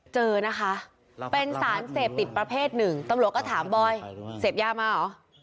เจอนะคะเป็นสารเสพติดประเภทหนึ่งตำรวจก็ถามบอยเสพยามาเหรอ